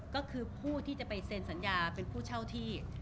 ก็คือผู้ที่จะไปเซ็นสัญญาเป็นผู้เช่าที่